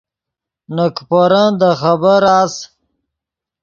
نے کیپورن دے خبر اس